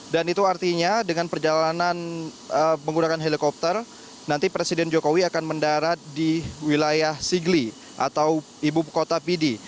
dan itu artinya dengan perjalanan menggunakan helikopter nanti presiden jokowi akan mendarat di wilayah sigli atau ibu kota pidi